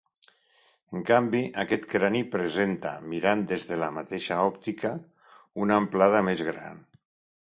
En canvi aquest crani presenta, mirant des de la mateixa òptica, una amplada més gran.